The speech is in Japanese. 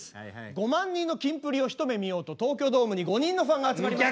５万人のキンプリを一目見ようと東京ドームに５人のファンが集まりました。